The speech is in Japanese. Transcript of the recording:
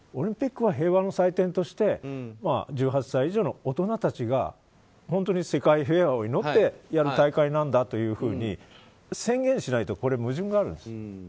オリンピックは平和の祭典として１８歳以上の大人たちが本当に世界平和を祈って行う大会だと宣言しないと、矛盾があるんです。